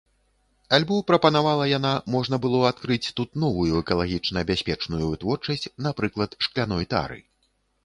Альбо, прапанавала яна, можна было адкрыць тут новую экалагічна бяспечную вытворчасць, напрыклад, шкляной тары.